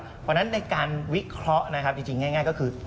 เพราะฉะนั้นในการวิเคราะห์นะครับจริงง่ายก็คือ